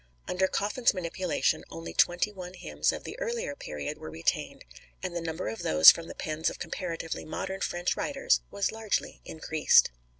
Under Coffin's manipulation only twenty one hymns of the earlier period were retained, and the number of those from the pens of comparatively modern French writers was largely increased.